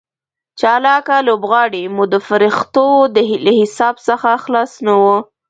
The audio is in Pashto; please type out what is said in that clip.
چالاکه لوبغاړي مو د فرښتو له حساب څخه خلاص نه وو.